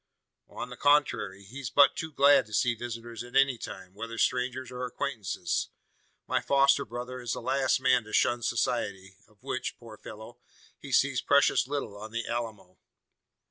"On the contrary, he's but too glad to see visitors at any time whether strangers or acquaintances. My foster brother is the last man to shun society; of which, poor fellow! he sees precious little on the Alamo."